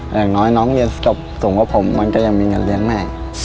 อย่างน้อยน้องเรียนจบสูงกว่าผมมันก็ยังมีเงินเลี้ยงแม่